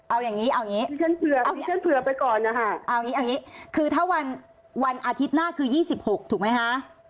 เอาอย่างนี้เอาอย่างนี้ฉันเผื่อไปก่อนนะคะเอาอย่างนี้คือถ้าวันอาทิตย์หน้าคือ๒๖ถูกไหมคะ